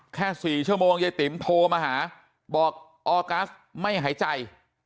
แค่๔ชั่วโมงยายติ๋มโทรมาหาบอกออกัสไม่หายใจ